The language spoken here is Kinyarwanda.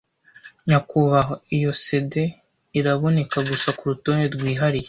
Nyakubahwa, iyo CD iraboneka gusa kurutonde rwihariye.